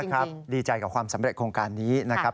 ดีใจด้วยจริงดีใจกับความสำเร็จโครงการนี้นะครับ